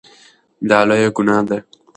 دا لویه ګناه ده.